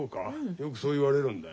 よくそう言われるんだよ。